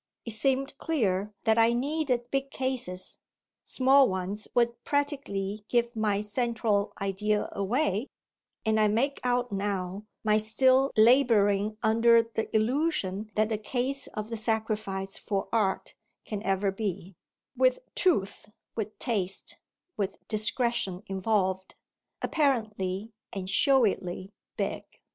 It seemed clear that I needed big cases small ones would practically give my central idea away; and I make out now my still labouring under the illusion that the case of the sacrifice for art can ever be, with truth, with taste, with discretion involved, apparently and showily "big."